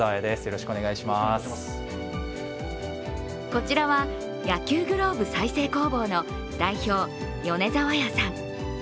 こちらは野球グローブ再生工房の代表、米沢谷さん。